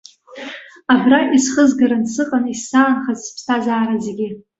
Абра исхызгаран сыҟан исзаанхаз сыԥсҭазаара зегьы.